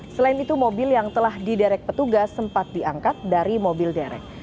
selain itu mobil yang telah diderek petugas sempat diangkat dari mobil derek